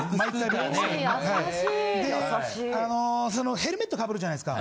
ヘルメット被るじゃないですか。